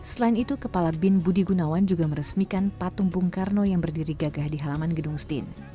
selain itu kepala bin budi gunawan juga meresmikan patung bung karno yang berdiri gagah di halaman gedung stin